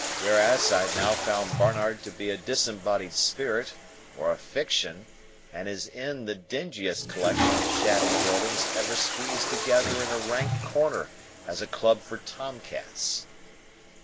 Whereas I now found Barnard to be a disembodied spirit, or a fiction, and his inn the dingiest collection of shabby buildings ever squeezed together in a rank corner as a club for Tom cats.